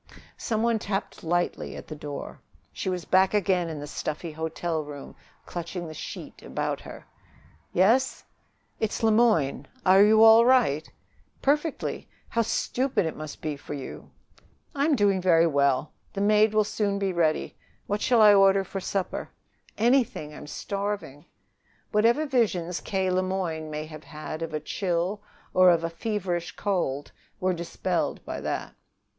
Some one tapped lightly at the door. She was back again in the stuffy hotel room, clutching the sheet about her. "Yes?" "It's Le Moyne. Are you all right?" "Perfectly. How stupid it must be for you!" "I'm doing very well. The maid will soon be ready. What shall I order for supper?" "Anything. I'm starving." Whatever visions K. Le Moyne may have had of a chill or of a feverish cold were dispelled by that.